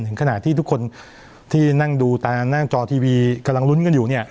ถึงขนาดที่ทุกคนที่นั่งดูตานั่งจอทีวีกำลังลุ้นกันอยู่เนี่ย